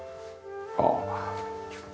ああ。